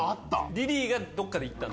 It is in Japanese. リリーがどっかで言ったの？